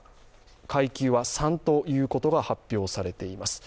階級は３ということが発表されています。